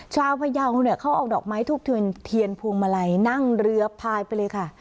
ชาวพยาวเนี่ยเขาเอาดอกไม้ทูบเทียนพวงมาลัยนั่งเรือพายไปเลยค่ะ